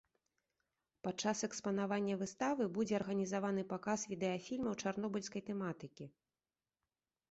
Пад час экспанавання выставы будзе арганізаваны паказ відэафільмаў чарнобыльскай тэматыкі.